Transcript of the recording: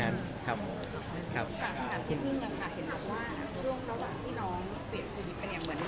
อเรนนี่ยังเห็นว่าช่วงเวลาที่น้องเสียดิบ